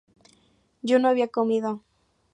yo no había comido